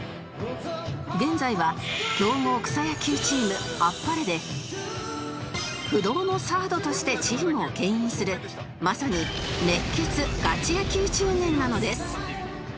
現在は強豪草野球チーム天晴で不動のサードとしてチームを牽引するまさに熱血ガチ野球中年なのです